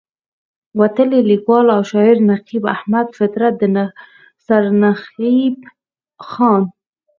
وتلے ليکوال او شاعر نقيب احمد فطرت د سرنزېب خان